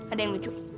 ada yang lucu